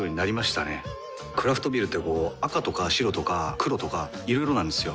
クラフトビールってこう赤とか白とか黒とかいろいろなんですよ。